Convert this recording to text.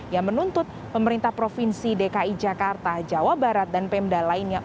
yang menuntut pemerintah provinsi dki jakarta jawa barat dan pemda lainnya